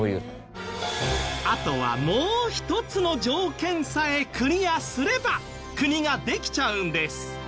あとはもう一つの条件さえクリアすれば国ができちゃうんです。